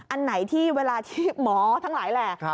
อันไหนที่เวลาที่หมอทั้งหลายแหล่